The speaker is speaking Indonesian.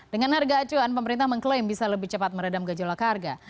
dengan harga acuan pemerintah mengklaim bisa lebih cepat meredam gejolak harga